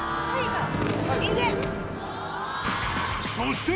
そして！